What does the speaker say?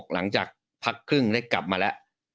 หลังจากพักครึ่งได้กลับมาแล้ว